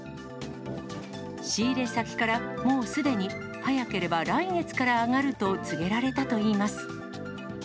仕入れ先からもうすでに、早ければ来月から上がると告げられたといいます。